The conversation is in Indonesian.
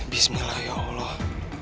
bismillah ya allah